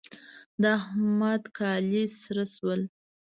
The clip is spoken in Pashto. د احمد کالي سره شول.